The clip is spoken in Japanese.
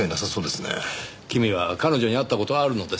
君は彼女に会った事はあるのですか？